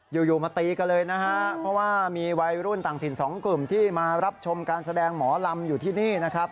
อยู่มาตีกันเลยนะฮะเพราะว่ามีวัยรุ่นต่างถิ่นสองกลุ่มที่มารับชมการแสดงหมอลำอยู่ที่นี่นะครับ